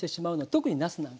特になすなんか。